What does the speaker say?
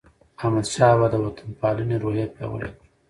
احمدشاه بابا د وطن پالنې روحیه پیاوړې کړه.